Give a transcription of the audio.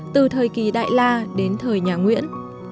từ thời kỳ đại la đến thời nhà nguyễn